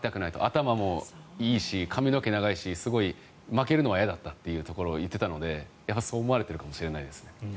頭もいいし髪の毛長いし負けるのは嫌だったと言っていたのでそう思われてるかもしれないです。